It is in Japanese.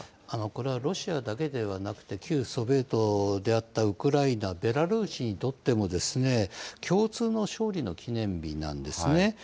これはロシアだけではなくて、旧ソビエトであったウクライナ、ベラルーシにとっても、共通の勝利の記念日なんですね。